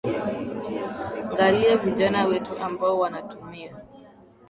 ngalie vijana wetu ambao wanatumia